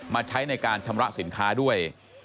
ใช้ในการชำระสินค้าด้วย